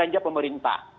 yang ketiga pemerintah